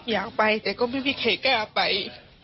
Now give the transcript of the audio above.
อยากไปแต่ก็ไม่มีใครกล้าไป